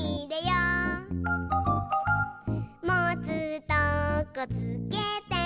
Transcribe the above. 「もつとこつけて」